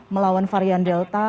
melawan varian delta